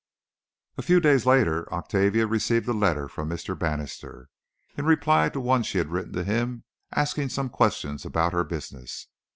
A few days later Octavia received a letter from Mr. Bannister, in reply to one she had written to him asking some questions about her business.